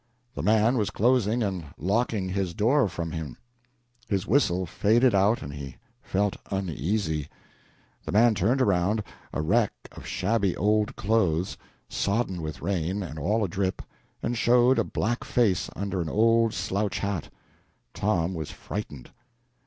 The man was closing and locking his door for him. His whistle faded out and he felt uneasy. The man turned around, a wreck of shabby old clothes, sodden with rain and all a drip, and showed a black face under an old slouch hat. Tom was frightened.